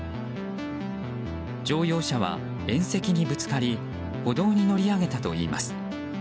乗用車は、縁石にぶつかり歩道に乗り上げたといいます。